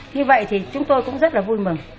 như vậy thì chúng tôi cũng rất là vui mừng